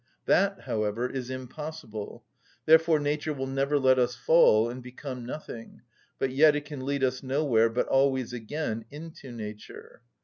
That, however, is impossible. Therefore nature will never let us fall and become nothing; but yet it can lead us nowhere but always again into nature.